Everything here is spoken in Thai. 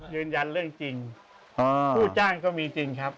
ยืนยันเรื่องจริงผู้จ้างก็มีจริงครับ